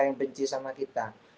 yang benci sama kita